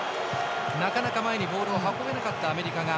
なかなか、ボールを前に運べなかったアメリカ。